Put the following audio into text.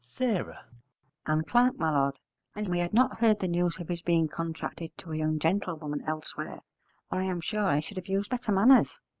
S. Ann Clark, my lord. And we had not heard the news of his being contracted to a young gentlewoman elsewhere, or I am sure I should have used better manners.